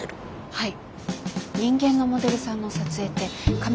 はい。